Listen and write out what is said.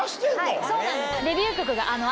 はいそうなんです。